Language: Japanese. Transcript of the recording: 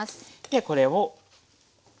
でこれを。